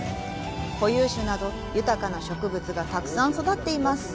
固有種など豊かな植物がたくさん育っています。